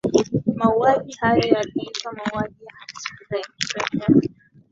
mauaji hayo yaliitwa mauaji ya srebrenica